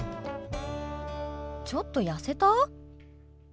ちょっと痩せた？